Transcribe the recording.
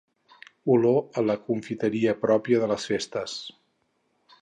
Olor a la confiteria pròpia de les festes.